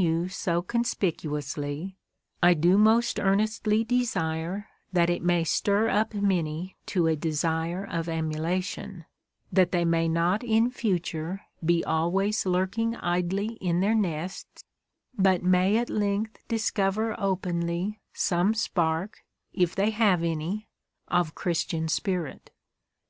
you so conspicuously, I do most earnestly desire that it may stir up many to a desire of emulation, that they may not in future be always lurking idly in their nests, but may at length discover openly some spark, if they have any, of Christian spirit.